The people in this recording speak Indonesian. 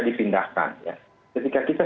dipindahkan ketika kita